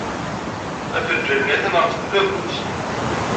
Afenjal-nni atan ɣef tdabut.